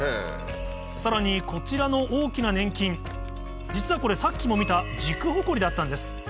さらにこちらの大きな粘菌実はこれさっきも見たジクホコリだったんです